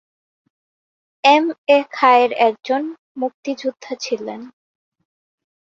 M A Khayer একজন মুক্তিযোদ্ধা ছিলেন।